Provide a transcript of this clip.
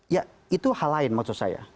ya itu hal lain maksud saya